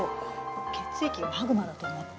血液がマグマだと思って。